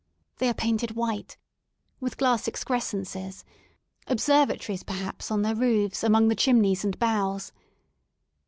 They are painted white, with glass excrescences, observatories, perhaps, on their roofs among the chimneys and boughs.